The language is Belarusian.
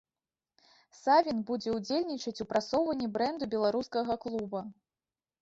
Савін будзе ўдзельнічаць у прасоўванні брэнду беларускага клуба.